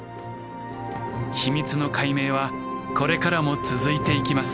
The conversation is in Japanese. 秘密の解明はこれからも続いていきます。